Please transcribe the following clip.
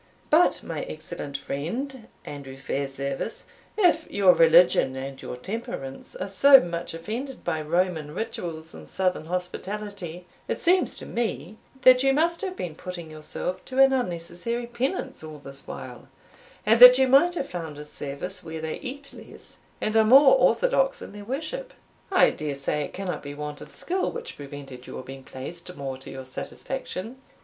"But, my excellent friend, Andrew Fairservice, if your religion and your temperance are so much offended by Roman rituals and southern hospitality, it seems to me that you must have been putting yourself to an unnecessary penance all this while, and that you might have found a service where they eat less, and are more orthodox in their worship. I dare say it cannot be want of skill which prevented your being placed more to your satisfaction."